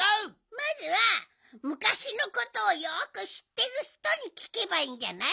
まずはむかしのことをよくしってるひとにきけばいいんじゃない？